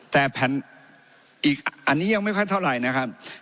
แต่แผ่นอีกอันนี้ยังไม่ค่อยเท่าไหร่นะครับ